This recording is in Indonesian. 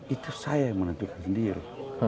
itu saya yang menentukan sendiri